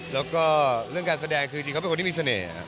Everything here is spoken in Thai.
แล้วก็เรื่องการแสดงคือจริงเขาเป็นคนที่มีเสน่ห์